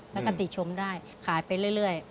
แล้วก็ติดชมได้ขายไปเรื่อย